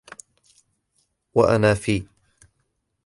وَأَنَا فِي